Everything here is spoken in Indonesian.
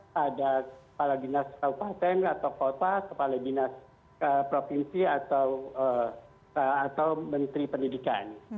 pada kepala dinas kabupaten atau kota kepala dinas provinsi atau menteri pendidikan